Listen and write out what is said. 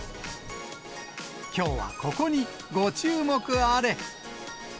きょうはここにご注目あれ。